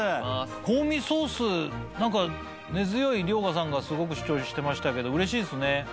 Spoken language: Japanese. コーミソースなんか根強い遼河さんがすごく主張してましたけど嬉しいですね。